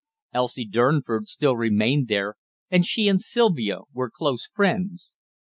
Elsie Durnford still remained there, and she and Sylvia were close friends.